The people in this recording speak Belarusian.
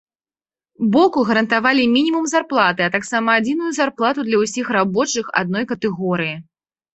Боку гарантавалі мінімум зарплаты, а таксама адзіную зарплату для ўсіх рабочых адной катэгорыі.